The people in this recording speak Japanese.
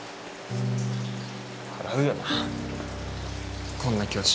笑うよなこんな教師。